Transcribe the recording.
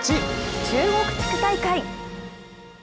「中国地区大会」。